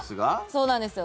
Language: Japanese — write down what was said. そうなんですよ。